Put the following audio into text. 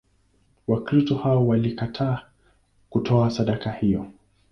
Wakristo hao walikataa kutoa sadaka hiyo.